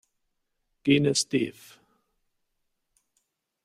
Genes Dev.